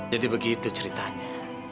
jadi begitu ceritanya